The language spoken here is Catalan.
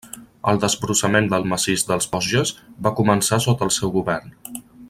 El desbrossament del massís dels Vosges va començar sota el seu govern.